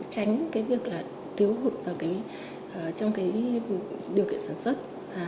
tránh cái việc là tiếu hụt trong cái điều kiện sản xuất